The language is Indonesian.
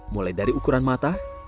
mulai dari ukuran mata